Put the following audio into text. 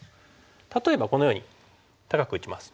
例えばこのように高く打ちます。